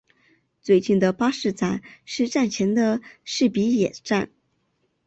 最近的巴士站是站前的土笔野站。